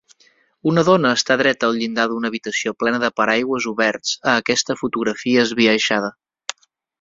Una dona està dreta al llindar d'una habitació plena de paraigües oberts a aquesta fotografia esbiaixada.